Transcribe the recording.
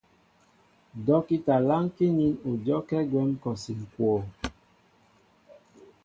Dɔ́kita lánkí nín ú dyɔ́kɛ́ gwɛ̌m kɔsi ŋ̀kwoo.